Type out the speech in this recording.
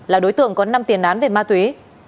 là đối tượng có năm tiền án về ma túy